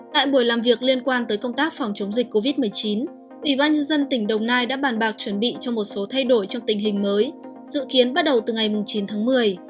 tại buổi làm việc liên quan tới công tác phòng chống dịch covid một mươi chín ủy ban nhân dân tỉnh đồng nai đã bàn bạc chuẩn bị cho một số thay đổi trong tình hình mới dự kiến bắt đầu từ ngày chín tháng một mươi